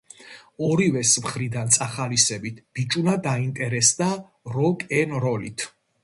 ორივეს მხრიდან წახალისებით, ბიჭუნა დაინტერესდა როკ-ენ-როლით.